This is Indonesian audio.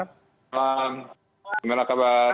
selamat malam bagaimana kabar